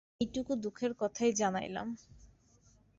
এইটুকু দুঃখের কথাই জানাইলাম।